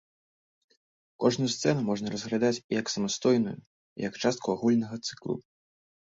Кожную сцэну можна разглядаць і як самастойную, і як частку агульнага цыклу.